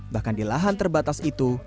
bahkan di lahan terbatas itu